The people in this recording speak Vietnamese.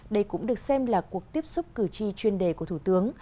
đây cũng được xem là cuộc tiếp xúc cử tri chuyên đề của thủ tướng